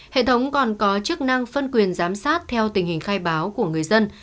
hệ thống còn có chức năng phân quyền giám sát theo tình hình khai báo của người dân